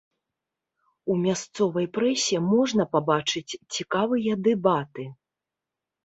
У мясцовай прэсе можна пабачыць цікавыя дэбаты.